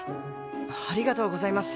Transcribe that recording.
ありがとうございます。